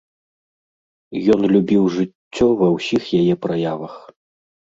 Ён любіў жыццё ва ўсіх яе праявах.